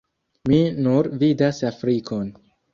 Mi nur vidas Afrikon